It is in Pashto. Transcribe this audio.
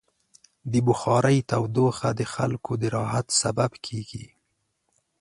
د بخارۍ تودوخه د خلکو د راحت سبب کېږي.